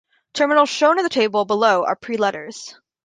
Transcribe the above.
Terminals shown in the table below are pre-letters.